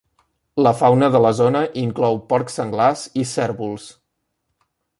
La fauna de la zona inclou porc senglars i cérvols.